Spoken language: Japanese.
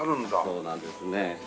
そうなんですね。